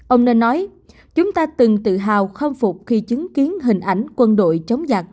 ông đã nói chúng ta từng tự hào khâm phục khi chứng kiến hình ảnh quân đội chống giặc